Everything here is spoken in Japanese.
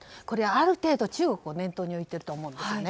これはある程度、中国を念頭に置いていると思うんです。